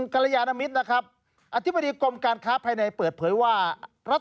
กัลยานมิตรนะครับ